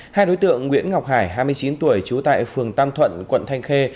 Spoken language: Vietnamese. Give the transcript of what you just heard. hai đối tượng nguyễn ngọc hải hai mươi chín tuổi trú tại phường tam thuận quận thanh khê